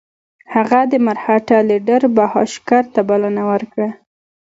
هغه د مرهټه لیډر بهاشکر ته بلنه ورکړه.